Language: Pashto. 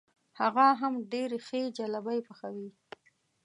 هغه هم ډېرې ښې جلبۍ پخوي.